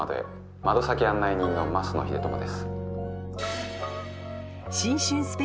窓先案内人の升野英知です。